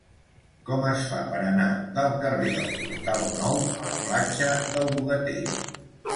Com es fa per anar del carrer del Portal Nou a la platja del Bogatell?